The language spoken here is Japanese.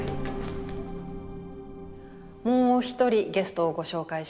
もう一人ゲストをご紹介しましょう。